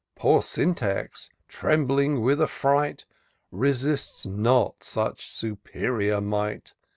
Poor Syntax, trembling with affidght. Resists not such superior might.